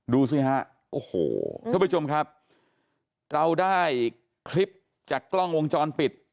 ทุกผู้ชมครับเราได้คลิปจากกล้องวงจรปิด